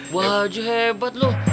buah haji hebat loh